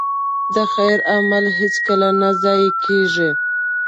د خیر عمل هېڅکله نه ضایع کېږي.